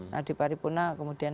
nah di paripurna kemudian